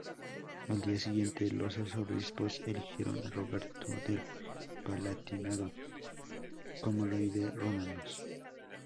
Al día siguiente los arzobispos eligieron a Roberto del Palatinado como Rey de Romanos.